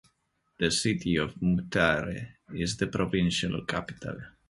The city of Mutare is the provincial capital.